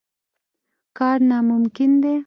کار ناممکن دی.